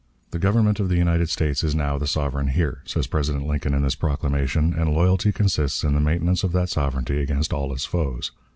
The Government of the United States is now the sovereign here, says President Lincoln in this proclamation, and loyalty consists in the maintenance of that sovereignty against all its foes.